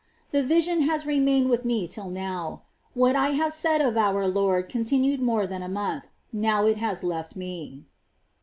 The vision has remained with me till now. What I have said of our Lord continued more than a month : now it has left me.